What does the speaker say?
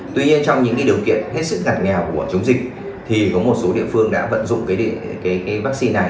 tuy nhiên trong những điều kiện hết sức ngặt nghèo của chống dịch thì có một số địa phương đã vận dụng vaccine này